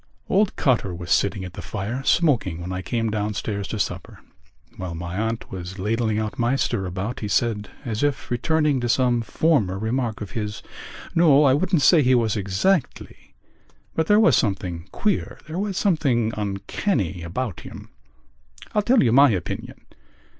Old Cotter was sitting at the fire, smoking, when I came downstairs to supper. While my aunt was ladling out my stirabout he said, as if returning to some former remark of his: "No, I wouldn't say he was exactly ... but there was something queer ... there was something uncanny about him. I'll tell you my opinion...."